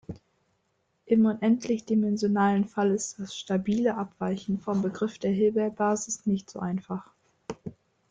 Im unendlichdimensionalen Fall ist das „stabile“ Abweichen vom Begriff der Hilbert-Basis nicht so einfach.